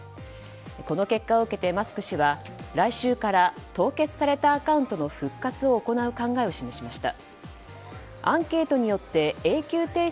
この結果を受けてマスク氏は来週から凍結されたアカウントの復活を行う考えを示しました。